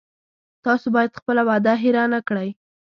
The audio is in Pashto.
تاسو باید خپله وعده هیره نه کړی